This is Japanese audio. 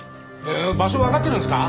場所わかってるんですか？